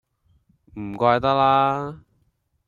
唔怪得啦